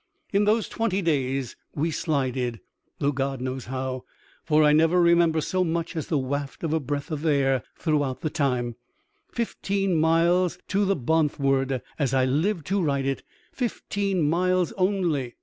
In those twenty days we slided — though God knows how ! for I never remember so much as the waft of a breath of air throughout the time — fifteen miles to the THIRST! AN OCEAN INCIDENT. 49 Bonthward: as I live to write it! Fifteen miles only.